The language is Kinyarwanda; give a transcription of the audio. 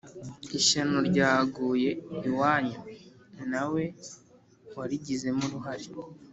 ishyano ryaguye iwanyu nawe warigizemo uruhare.